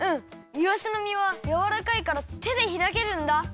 いわしのみはやわらかいからてでひらけるんだ。